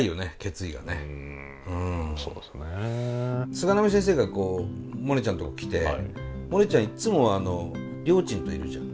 菅波先生がこうモネちゃんとこ来てモネちゃんいっつもりょーちんといるじゃん。